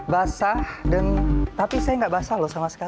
basah dan tapi saya nggak basah loh sama sekali